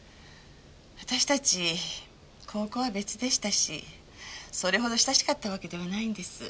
私たち高校は別でしたしそれほど親しかったわけではないんです。